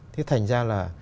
thế thành ra là